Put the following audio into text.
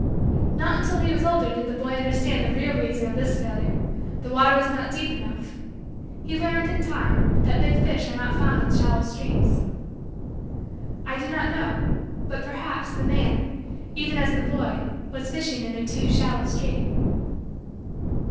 Not until he was older did the boy understand the real reason of this failure. The water was not deep enough. He learned, in time, that big fish are not found in shallow streams. I do not know, but perhaps, the man, even as the boy, was fishing in a too shallow stream.